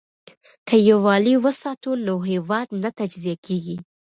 که یووالي وساتو نو هیواد نه تجزیه کیږي.